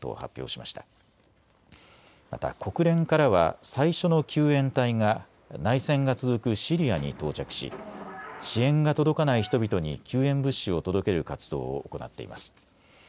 また国連からは最初の救援隊が内戦が続くシリアに到着し支援が届かない人々に救援物資を届ける活動を行っています。